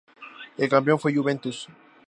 El campeón fue Juventus.